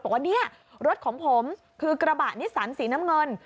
บอกว่าเนี่ยรถของผมคือกระบะนิสันสีน้ำเงิน